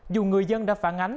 dù người dân đã phản ánh